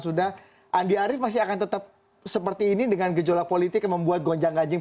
sudah andi arief masih akan tetap seperti ini dengan gejolak politik yang membuat gonjang ganjing